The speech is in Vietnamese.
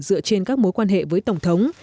dựa trên các mối quan hệ với tổng thống